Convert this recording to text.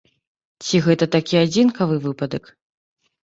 Ці гэта такі адзінкавы выпадак?